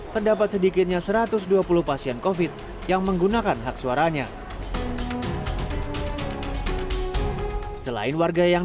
terdapat sedikitnya satu ratus dua puluh pasien kofit yang menggunakan hak suaranya selain warga yang